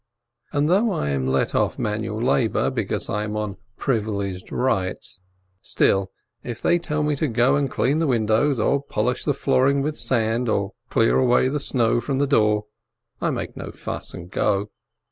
Even though I am let off manual labor, because I am on "privileged rights," still, if they tell me to go and clean the windows, or polish the flooring with sand, or clear away the snow from the door, I make no fuss and go.